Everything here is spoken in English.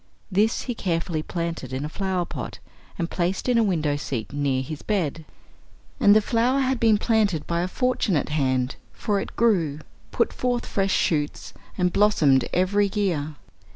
This he carefully planted in a flower pot, and placed in a window seat near his bed. And the flower had been planted by a fortunate hand, for it grew, put forth fresh shoots, and blossomed every year.